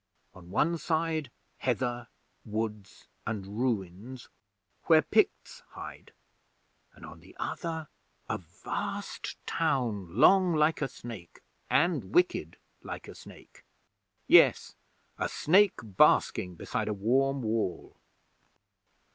On one side heather, woods and ruins where Picts hide, and on the other, a vast town long like a snake, and wicked like a snake. Yes, a snake basking beside a warm wall!